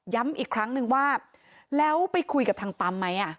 อีกครั้งนึงว่าแล้วไปคุยกับทางปั๊มไหม